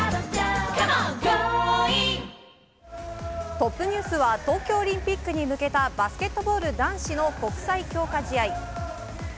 トップニュースは東京オリンピックに向けたバスケットボール男子の国際強化試合。